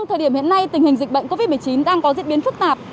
thời điểm hiện nay tình hình dịch bệnh covid một mươi chín đang có diễn biến phức tạp